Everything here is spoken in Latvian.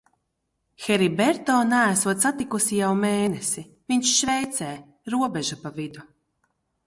Heriberto neesot satikusi jau mēnesi, - viņš Šveicē, robeža pa vidu.